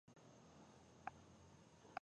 زراعت د افغانستان په ستراتیژیک اهمیت کې رول لري.